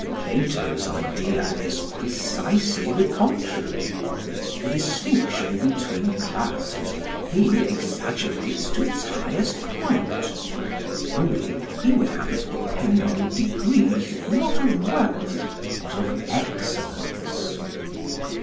Plato's idea is precisely the contrary. The distinction between classes he exaggerates to its highest point; only he would have it depend on degrees, not of wealth, but of excellence.